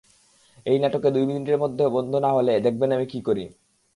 এই নাটক দুই মিনিটের মধ্যে বন্ধ না হলে, দেখবেন আমি কি করি।